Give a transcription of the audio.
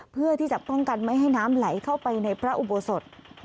เพื่อที่จะป้องกันไม่ให้น้ำไหลเข้าไปในพระอุโบสถ